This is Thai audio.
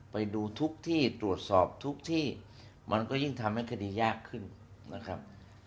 ไปดูทุกที่ตรวจสอบทุกที่มันก็ยิ่งทำให้คดียากขึ้นนะครับ